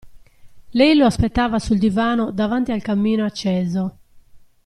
Lei lo aspettava sul divano davanti al camino, acceso.